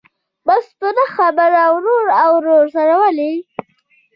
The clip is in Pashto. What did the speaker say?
بس په نه خبره ورور او ورور سره ولي.